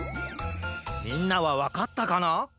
みんなはわかったかな？